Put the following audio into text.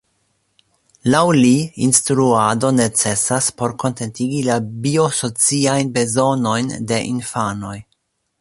Laŭ li instruado necesas por kontentigi la 'bio-sociajn bezonojn' de infanoj.